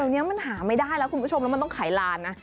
เดี๋ยวนี้มันหาไม่ได้แล้วคุณผู้ชมแล้วมันต้องขายลานนะ